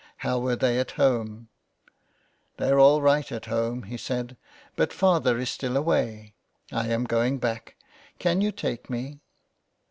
How were they at home ?" "They're all right at home," he said ; "but father is still away. I am going back. Can you take me